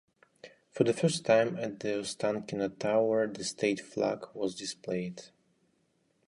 For the first time at the Ostankino Tower the state flag was displayed.